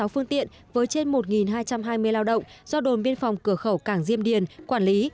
ba trăm tám mươi sáu phương tiện với trên một hai trăm hai mươi lao động do đồn biên phòng cửa khẩu cảng diêm điền quản lý